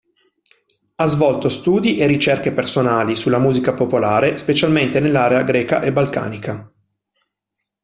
Ha svolto studi e ricerche personali sulla musica popolare specialmente nell'area greca e balcanica.